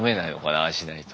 ああしないと。